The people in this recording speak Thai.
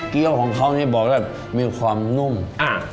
ี้ยวของเขานี่บอกแล้วมีความนุ่มอ่า